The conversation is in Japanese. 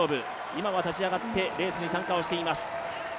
今は立ち上がってレースに参加しています。